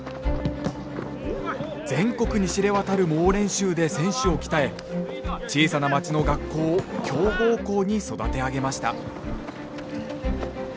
全国に知れ渡る猛練習で選手を鍛え小さな町の学校を強豪校に育て上げました。